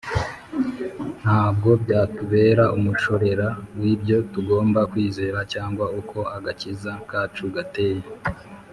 ntabwo byatubera umushorera w'ibyo tugomba kwizera cyangwa uko agakiza kacu gateye.